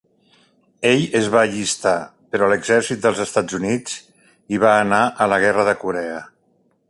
Ell es va allistar, però, a l'exèrcit dels Estats Units i va anar a la guerra de Corea.